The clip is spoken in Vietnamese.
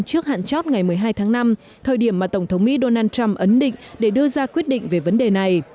trước hạn chót ngày một mươi hai tháng năm thời điểm mà tổng thống mỹ donald trump ấn định để đưa ra quyết định về vấn đề này